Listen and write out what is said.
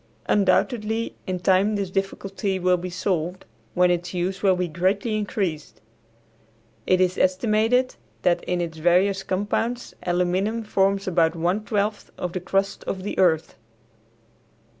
Undoubtedly in time this difficulty will be solved, when its use will be greatly increased. It is estimated that in its various compounds aluminum forms about one twelfth of the crust of the earth.